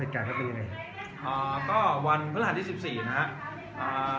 แต่ว่าเมืองนี้ก็ไม่เหมือนกับเมืองอื่น